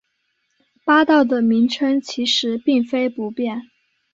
八道的名称其实并非不变。